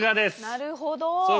なるほど。